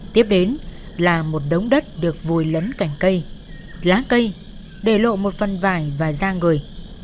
tiếp đến là một đống đất được vùi lấn cành cây lá cây để lộ một phần vải và da người